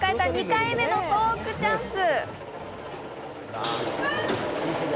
２回目のトークチャンス。